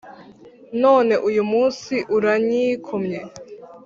None uyu munsi uranyikomye